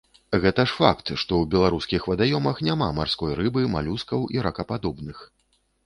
Гэта ж факт, што ў беларускіх вадаёмах няма марской рыбы, малюскаў і ракападобных.